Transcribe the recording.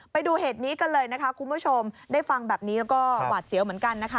ไปดูเหตุนี้กันเลยนะคะคุณผู้ชมได้ฟังแบบนี้แล้วก็หวาดเสียวเหมือนกันนะคะ